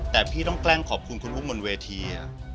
แต่พี่ต้องแกล้งขอบคุณคุณอุ้มบนเวที